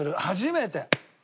初めて。